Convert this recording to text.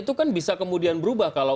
itu kan bisa kemudian berubah kalau